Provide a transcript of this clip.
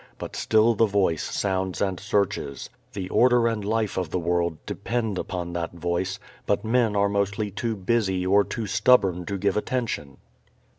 But still the Voice sounds and searches. The order and life of the world depend upon that Voice, but men are mostly too busy or too stubborn to give attention.